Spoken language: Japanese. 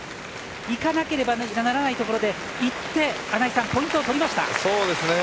いかなければならないところでいってポイントをとりました。